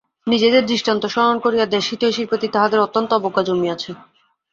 নিজেদের দৃষ্টান্ত স্মরণ করিয়া দেশহিতৈষীর প্রতি তাঁহাদের অত্যন্ত অবজ্ঞা জন্মিয়াছে।